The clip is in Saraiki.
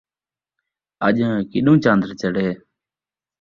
اڄ کݙوں چندر چڑھے